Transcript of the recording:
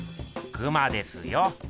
クマですよ。